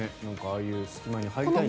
ああいう隙間に入りたいのかな。